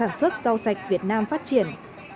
các nhà sản xuất rau sạch việt nam phát triển